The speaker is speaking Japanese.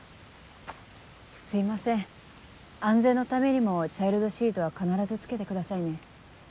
すいません安全のためにもチャイルドシートは必ず付けてくださいね。